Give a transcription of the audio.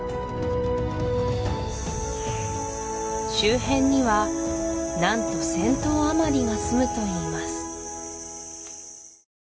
周辺には何と１０００頭あまりがすむといいます